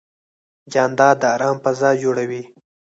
جانداد د ارام فضا جوړوي.